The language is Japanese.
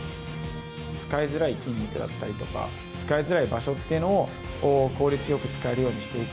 使いづらい筋肉だったりとか、使いづらい場所っていうのを効率よく使えるようにしていく。